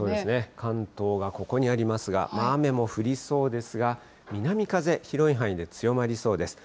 関東はここにありますが、雨も降りそうですが、南風、広い範囲で強まりそうです。